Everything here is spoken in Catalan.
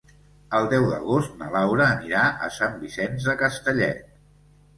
El deu d'agost na Laura anirà a Sant Vicenç de Castellet.